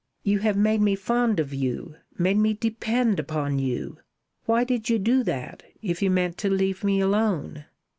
You have made me fond of you made me depend upon you. Why did you do that, if you meant to leave me alone?"